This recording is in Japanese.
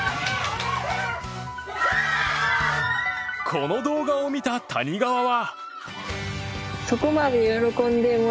この動画を見た谷川は。